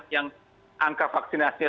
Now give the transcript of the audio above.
yang angka vaksinasinya